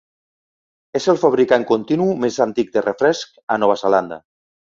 És el fabricant continu més antic de refrescs a Nova Zelanda.